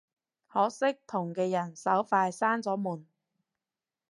可惜同嘅人手快閂咗門